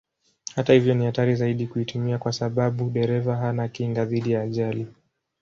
Hata hivyo ni hatari zaidi kuitumia kwa sababu dereva hana kinga dhidi ya ajali.